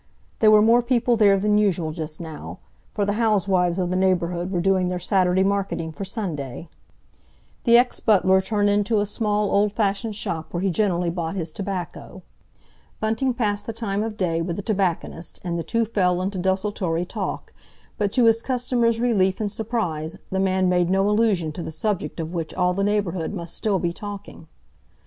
There were more people there than usual just now, for the housewives of the neighbourhood were doing their Saturday marketing for Sunday. The ex butler turned into a small old fashioned shop where he generally bought his tobacco. Bunting passed the time of day with the tobacconist, and the two fell into desultory talk, but to his customer's relief and surprise the man made no allusion to the subject of which all the neighbourhood must still be talking.